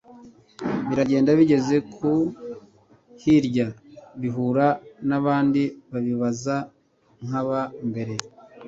biragenda, bigeze ku hirya bihura n'abandi babibaza nk'aba mbere